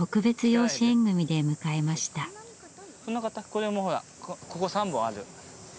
これもほらここ３本あるよ。